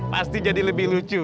pasti jadi lebih lucu